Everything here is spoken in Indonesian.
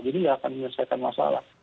jadi ya akan menyelesaikan masalah